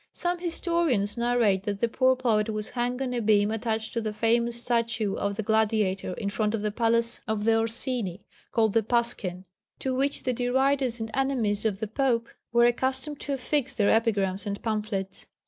Some historians narrate that the poor poet was hung on a beam attached to the famous statue of the Gladiator in front of the Palace of the Orsini, called the Pasquin, to which the deriders and enemies of the Pope were accustomed to affix their epigrams and pamphlets.